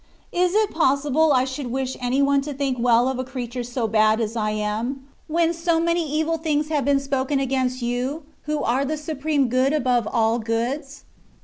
Is it possible I should wish any one to think well of a creature so bad as I am, when so THB WAY OF PERFECTION. 71 many evil things have been spoken against You, who are the supreme Good above aU goods